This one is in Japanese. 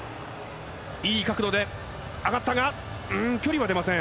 いい角度で上がったが距離は出ません。